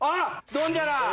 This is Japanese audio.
ドンジャラ。